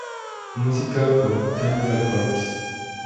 Musica por Cannibal Corpse.